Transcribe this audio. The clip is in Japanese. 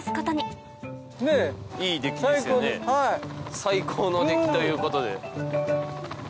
最高の出来ということで。